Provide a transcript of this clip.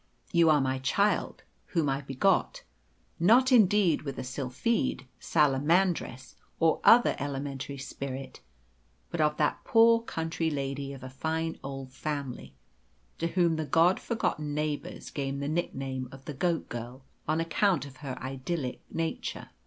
You are my child, whom I begot, not indeed with a sylphide, salamandress, or other elementary spirit, but of that poor country lady of a fine old family, to whom the God forgotten neighbours gave the nickname of the 'goat girl' on account of her idyllic nature.